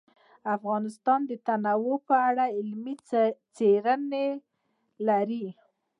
افغانستان د تنوع په اړه علمي څېړنې لري.